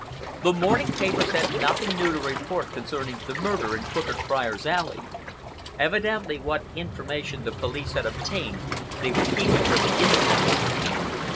The morning papers had nothing new to report concerning the murder in Crooked Friars' Alley. Evidently what information the police had obtained they were keeping for the inquest.